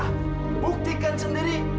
ah buktikan sendiri